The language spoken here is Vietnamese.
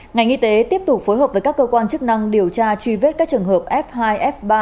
ngành y tế tiếp tục phối hợp với các cơ quan chức năng điều tra truy vết các trường hợp f hai f ba